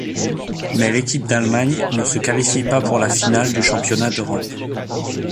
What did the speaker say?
Mais l'équipe d'Allemagne ne se qualifie pas pour la finale du Championnat d'Europe.